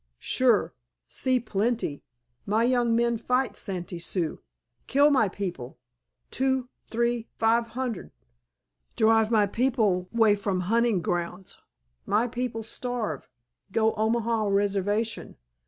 "Sure. See plenty. My young men fight Santee Sioux. Kill my people, two, t'ree, five hunnerd. Drive my people way from hunting grounds. My people starve. Go Omaha Reservation.